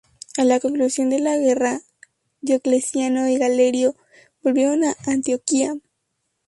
A la conclusión de la guerra, Diocleciano y Galerio volvieron a Antioquía.